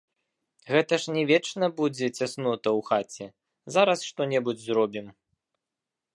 Гэта ж не вечна будзе цяснота ў хаце, зараз што-небудзь зробім.